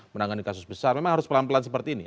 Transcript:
menangani kasus besar memang harus pelan pelan seperti ini